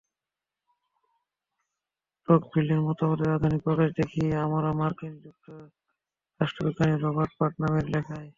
টকভিলের মতবাদের আধুনিক প্রকাশ দেখি আমরা মার্কিন রাষ্ট্রবিজ্ঞানী রবার্ট পাটনামের লেখায়।